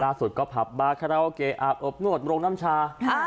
ล่าสุดก็ผับบาคาราโอเกะอาบอบนวดโรงน้ำชา